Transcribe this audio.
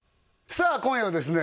さあ今夜はですね